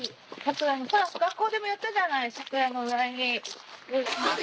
ほら学校でもやったじゃない桜の苗木。